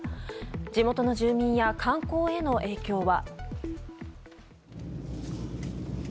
地元の住民や観光への影響は。